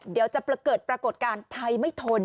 เดี๋ยวจะเกิดปรากฏการณ์ไทยไม่ทน